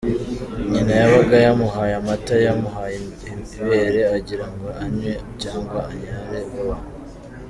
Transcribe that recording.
Nyina yabaga yamuhaye amata, yamuhaye ibere, agira ngo annye cyangwa anyare vuba.